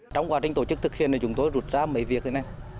trong quá trình tổ chức thực hiện này chúng tôi rụt ra mấy việc này